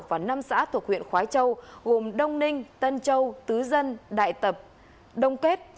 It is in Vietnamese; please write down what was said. và năm xã thuộc huyện khói châu gồm đông ninh tân châu tứ dân đại tập đông kết